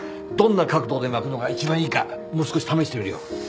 どんな角度で巻くのが一番いいかもう少し試してみるよ。